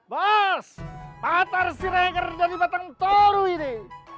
bos batar sireger dari batang toru ini